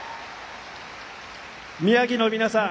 宮城の皆さん